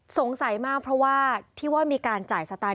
สงสัยมากเพราะว่าที่ว่ามีการจ่ายสไตล